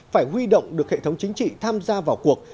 phải huy động được hệ thống chính trị tham gia vào cuộc